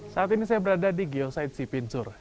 saat ini saya berada di geosaid sipinsur